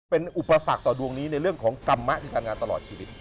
เป็นอุปสรรคต่อดวงนี้ในเรื่องของกรรมะที่การงานตลอดชีวิต